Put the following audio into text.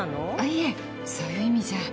いえ、そういう意味じゃ。